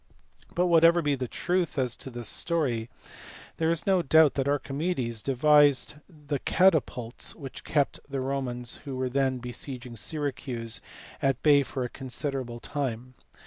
But what ever be the truth as to this story, there is no doubt that Archimedes devised the catapults which kept the Romans, who were then besieging Syracuse, at bay for a considerable time.